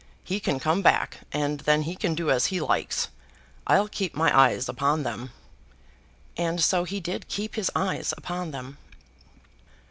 "He can come back, and then he can do as he likes. I'll keep my eyes upon them." And so he did keep his eyes upon them.